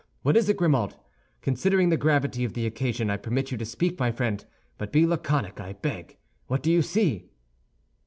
What is it, Grimaud? Considering the gravity of the occasion, I permit you to speak, my friend; but be laconic, I beg. What do you see?"